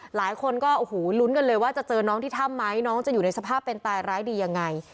หลายคนก็โอ้โหลุ้นกันเลยว่าจะเจอน้องที่ถ้ำไหมน้องจะอยู่ในสภาพเป็นตายร้ายดียังไง